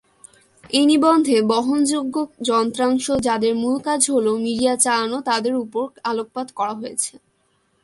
এই নিবন্ধে বহনযোগ্য যন্ত্রাংশ যাদের মূল কাজ হল মিডিয়া চালানো তাদের উপর আলোকপাত করা হয়েছে।